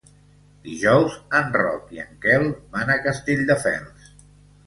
Dijous en Roc i en Quel van a Castelldefels.